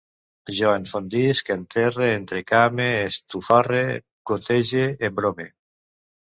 Jo enfondisc, enterre, entrecame, estufarre, gotege, embrome